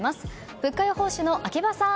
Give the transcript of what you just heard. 物価予報士の秋葉さん